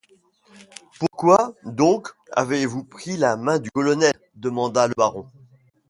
Pourquoi donc avez-vous pris la main du colonel ? demanda le baron.